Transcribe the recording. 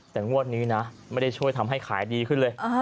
แต่งวดนี้นะไม่ได้ช่วยทำให้ขายดีขึ้นเลย